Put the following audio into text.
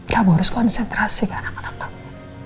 kamu harus konsentrasi ke anak anak kamu